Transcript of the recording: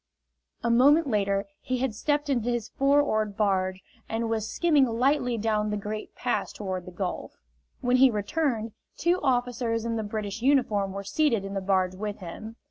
A moment later he had stepped into his four oared barge and was skimming lightly down the Great Pass toward the Gulf. When he returned, two officers in the British uniform were seated in the barge with him.